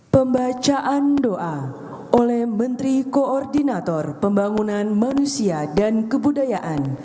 pembacaan doa oleh menteri koordinator pembangunan manusia dan kebudayaan